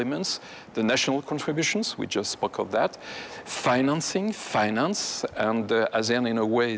อย่างในคุณภาพปกติส่วนการส่งความการดักหนัก